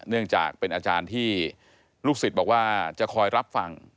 เนื่องจากเป็นอาจารย์ที่ลูกศิษย์บอกว่าจะคอยรับฟัง